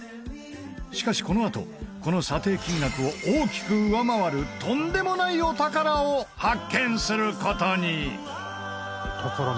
しかしこのあとこの査定金額を大きく上回るとんでもないお宝を発見する事に！